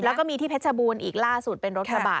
แล้วก็มีที่เพชรบูรณ์อีกล่าสุดเป็นรถกระบะ